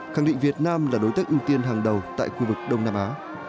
khẳng định việt nam là đối tác ưu tiên hàng đầu tại khu vực đông nam á